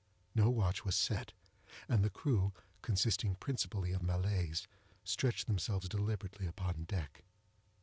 No watch was set, and the crew, consisting principally of Malays, stretched themselves deliberately upon deck.